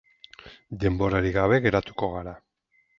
Denborarik gabe geratuko gara.